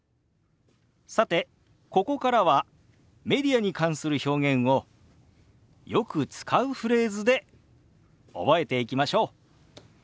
さてここからはメディアに関する表現をよく使うフレーズで覚えていきましょう。